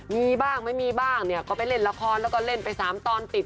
มีบ้างไม่มีบ้างก็ไปเล่นหรือหรือลับฟแล้วก็เล่นไป๓ตอนติด